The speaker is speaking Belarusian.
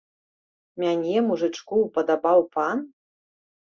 Мяне, мужычку, упадабаў пан?